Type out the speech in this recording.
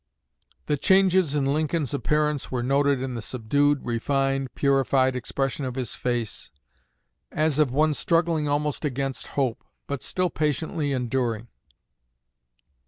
The changes in Lincoln's appearance were noted in the subdued, refined, purified expression of his face, as of one struggling almost against hope, but still patiently enduring.